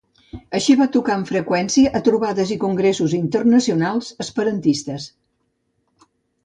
Així, va tocar amb freqüència a trobades i congressos internacionals esperantistes.